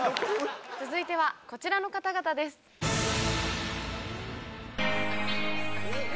続いてはこちらの方々です。え！